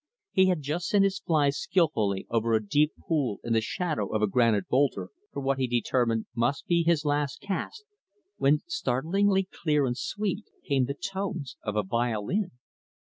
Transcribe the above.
He had just sent his fly skillfully over a deep pool in the shadow of a granite boulder, for what he determined must be his last cast, when, startlingly clear and sweet, came the tones of a violin.